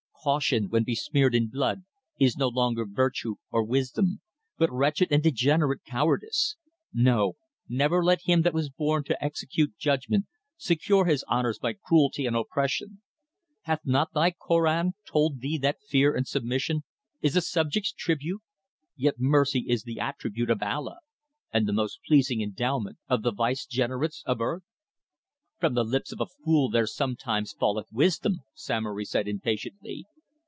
Caution, when besmeared in blood, is no longer virtue, or wisdom, but wretched and degenerate cowardice; no, never let him that was born to execute judgment secure his honours by cruelty and oppression. Hath not thy Korân told thee that fear and submission is a subject's tribute, yet mercy is the attribute of Allah, and the most pleasing endowment of the vicegerents of earth." "From the lips of a fool there sometimes falleth wisdom," Samory said impatiently.